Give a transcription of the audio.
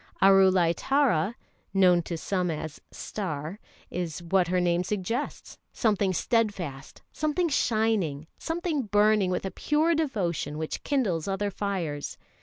Arulai Tara (known to some as "Star") is what her name suggests, something steadfast, something shining, something burning with a pure devotion which kindles other fires.